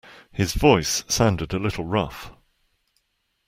His voice sounded a little rough.